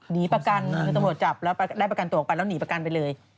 หนีประกันคือตำรวจจับแล้วได้ประกันตัวออกไปแล้วหนีประกันไปเลย